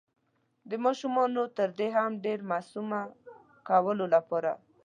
د ماشومانو تر دې هم ډير معصومه کولو لپاره